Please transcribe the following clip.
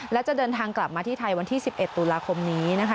และจะเดินทางกลับมาที่ไทยวันที่๑๑ตุลาคมนี้นะคะ